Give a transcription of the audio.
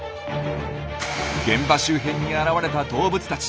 現場周辺に現れた動物たち